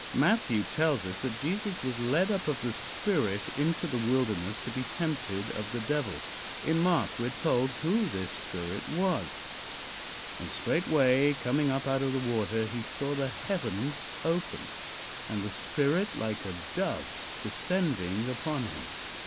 Matthew tells us that Jesus was led up of the Spirit into the wilderness to be tempted of the Devil. In Mark we are told who this Spirit was: "And straightway coming up out of the water he saw the heavens opened, and the Spirit like a dove descending upon him.